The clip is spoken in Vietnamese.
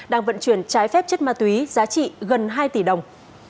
đang vận chuyển trái phép chất ma túy giá trị gần hai tỷ đồng